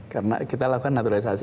karena kita lakukan naturalisasi